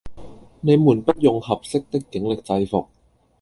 你們不用「合適」的警力制服